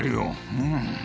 うん。